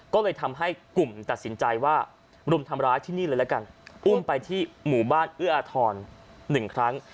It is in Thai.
ก็เลยทำให้กลุ่มตัดสินใจว่ารุมทำร้ายที่นี่เลยละกันอุ้มไปที่หมู่บ้านเอื้ออาทร๑ครั้ง